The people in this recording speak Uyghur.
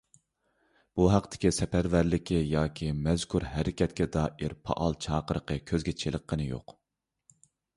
بۇ ھەقتىكى سەپەرۋەرلىكى ياكى مەزكۇر ھەرىكەتكە دائىر پائال چاقىرىقى كۆزگە چېلىققىنى يوق.